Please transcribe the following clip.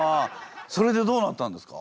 それでどうなったんですか？